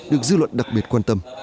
được dư luận đặc biệt quan tâm